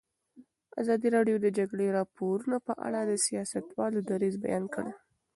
ازادي راډیو د د جګړې راپورونه په اړه د سیاستوالو دریځ بیان کړی.